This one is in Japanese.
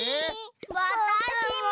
わたしも！